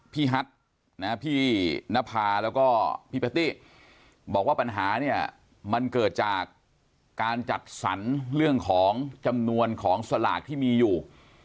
ฮัทพี่นภาแล้วก็พี่แพตตี้บอกว่าปัญหาเนี่ยมันเกิดจากการจัดสรรเรื่องของจำนวนของสลากที่มีอยู่